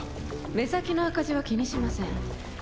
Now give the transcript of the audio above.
目先の赤字は気にしません